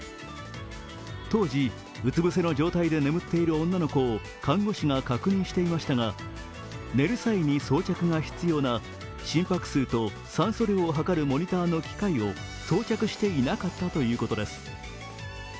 当時、うつ伏せの状態で眠っている女の子を看護師が確認していましたが、寝る際に装着が必要な心拍数と酸素量を測るモニターの機械を装着していなかったということです。